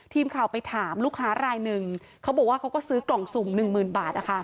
ทีมข่าวไปถามลูกค้ารายหนึ่งเขาบอกว่าเขาก็ซื้อกล่องสุ่มหนึ่งหมื่นบาท